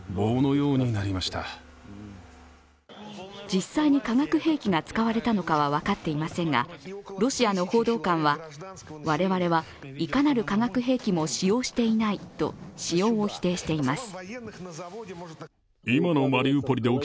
実際に化学兵器が使われたのかは分かっていませんがロシアの報道官は我々はいかなる化学兵器も使用していないと使用を否定しています。